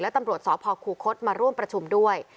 ตำรวจสพคูคศมาร่วมประชุมด้วย